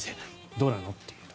どうなの？という。